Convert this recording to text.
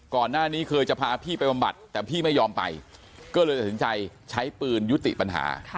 ก่อนหน้านี้เคยจะพาพี่ไปบำบัดแต่พี่ไม่ยอมไปก็เลยตัดสินใจใช้ปืนยุติปัญหา